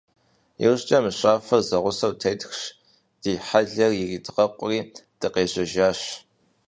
ИужькӀэ мыщафэр зэгъусэу тетхщ, ди хьэлъэр иридгъэкъури дыкъежьэжащ.